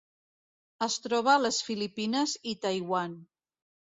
Es troba a les Filipines i Taiwan.